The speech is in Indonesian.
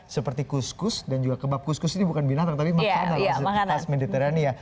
seperti kuskus dan juga kebab kuskus ini bukan binatang tapi makanan khas mediterania